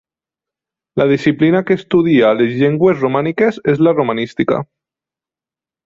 La disciplina que estudia les llengües romàniques és la romanística.